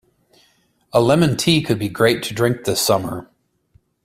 A lemon tea could be great to drink this summer.